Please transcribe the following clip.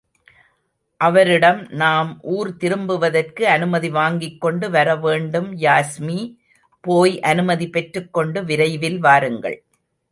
அவரிடம் நாம் ஊர் திரும்புவதற்கு அனுமதி வாங்கிக் கொண்டு வரவேண்டும் யாஸ்மி! போய் அனுமதி பெற்றுக்கொண்டு விரைவில் வாருங்கள்!